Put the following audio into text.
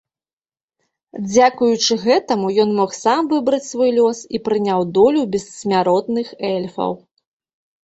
Дзякуючы гэтаму ён мог сам выбраць свой лёс і прыняў долю бессмяротных эльфаў.